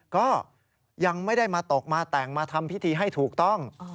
ก็ยังไม่ได้มาตกมาแต่งมาทำพิธีให้ถูกต้อง